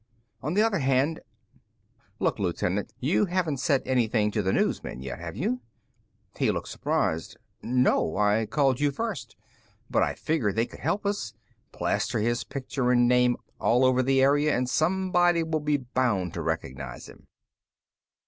On the other hand "Look, Lieutenant, you haven't said anything to the newsmen yet, have you?" He looked surprised. "No. I called you first. But I figured they could help us. Plaster his picture and name all over the area, and somebody will be bound to recognize him."